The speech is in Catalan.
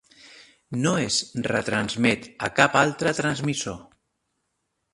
No es retransmet a cap altre transmissor.